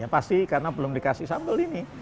pasti karena belum dikasih sambal ini